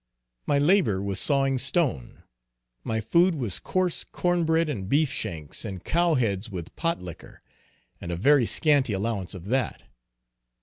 My labor was sawing stone; my food was coarse corn bread and beef shanks and cows heads with pot liquor, and a very scanty allowance of that.